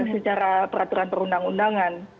secara peraturan perundang undangan